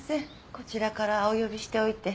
こちらからお呼びしておいて。